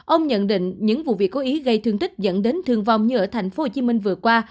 ông nhận định những vụ việc cố ý gây thương tích dẫn đến thương vong như ở tp hcm vừa qua